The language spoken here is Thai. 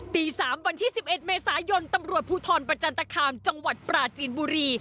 ตี๓วันที่๑๑เมษายนตำรวจภูทรประจันตคามจังหวัดปราจีนบุรี